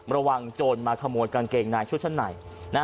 ระวังโจรมาขโมนกางเกงไหนชุดชั้นไหน